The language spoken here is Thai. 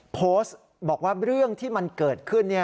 โพสต์บอกว่าเรื่องที่มันเกิดขึ้น